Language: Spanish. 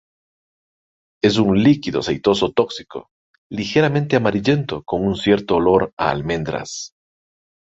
Es un líquido aceitoso tóxico, ligeramente amarillento con un cierto olor a almendras.